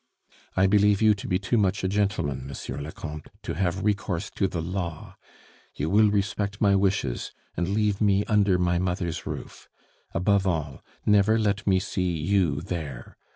"I believe you to be too much a gentleman, Monsieur le Comte, to have recourse to the law. You will respect my wishes, and leave me under my mother's roof. Above all, never let me see you there.